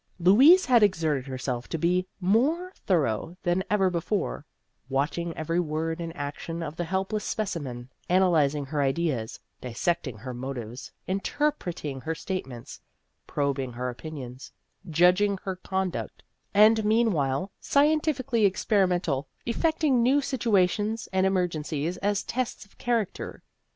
Louise had exerted herself to be The Ghost of Her Senior Year 221 more thorough than ever before, watch ing every word and action of the helpless specimen, analyzing her ideas, dissecting her motives, interpreting her statements, probing her opinions, judging her conduct, and meanwhile, scientifically experimental, effecting new situations and emergencies as tests of character.